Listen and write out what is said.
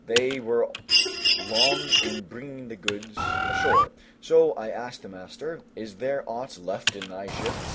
They were long in bringing the goods ashore, so I asked the master, "Is there aught left in thy ship?"